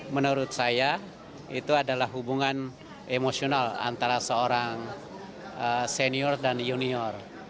menurut saya itu adalah hubungan emosional antara seorang senior dan junior